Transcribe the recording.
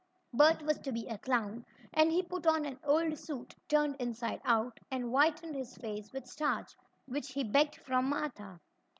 Bert was to be a clown, and he put on an old suit, turned inside out, and whitened his face with starch, which he begged from Martha.